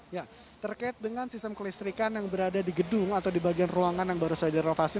ya terkait dengan sistem kelistrikan yang berada di gedung atau di bagian ruangan yang baru saja direnovasi